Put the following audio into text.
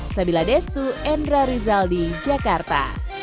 sabila destu endra rizal di jakarta